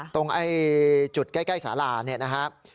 ตรงจุดใกล้สารานะครับ